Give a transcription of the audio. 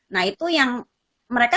nah itu yang mereka